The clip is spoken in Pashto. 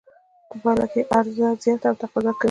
په پایله کې عرضه زیاته او تقاضا کمېږي